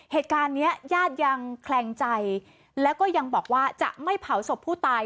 เหตุการณ์เนี้ยญาติยังแคลงใจแล้วก็ยังบอกว่าจะไม่เผาศพผู้ตาย